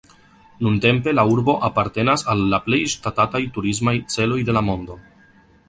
Nuntempe la urbo apartenas al la plej ŝatataj turismaj celoj de la mondo.